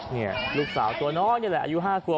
เนี้ยลูกสาวตัวน้องนี่แหละอายุห้าควะ